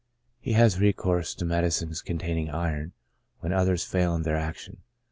He has recourse to me dicines containing iron when others fail in their action.